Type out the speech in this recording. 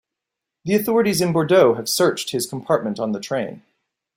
The authorities in Bordeaux have searched his compartment on the train.